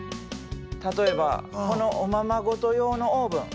例えばこのおままごと用のオーブン。